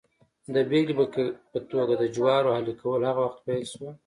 د بېلګې په توګه د جوارو اهلي کول هغه وخت پیل شول